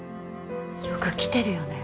よく来てるよね